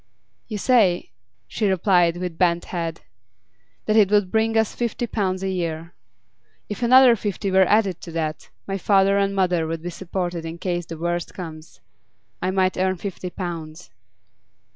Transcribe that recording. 'You say,' she replied, with bent head, 'that it would bring us fifty pounds a year. If another fifty were added to that, my father and mother would be supported in case the worst comes. I might earn fifty pounds.